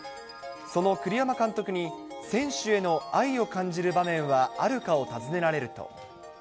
その栗山監督に、選手への愛を感じる場面はあるかを尋ねられると。